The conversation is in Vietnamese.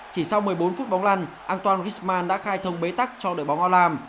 chỉ sau một mươi bốn phút bóng lăn antoine griezmann đã khai thông bế tắc cho đội bóng olam